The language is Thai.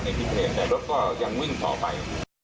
ในภิเษณแต่รถก็ยังวิ่งต่อไป